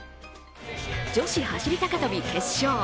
女子走高跳決勝。